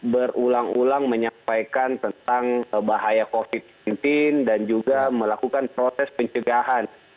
berulang ulang menyampaikan tentang bahaya covid sembilan belas dan juga melakukan proses pencegahan